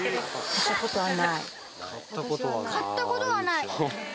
買った事はない。